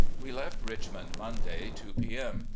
We left Richmond Monday, 2 p. M.